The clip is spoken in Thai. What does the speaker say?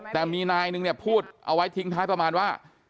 แต่มีนายนึงเนี่ยพูดเอาไว้ทิ้งท้ายประมาณว่า